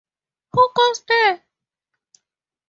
Who goes there?